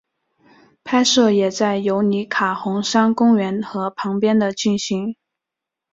拍摄也在尤里卡红杉公园和旁边的进行。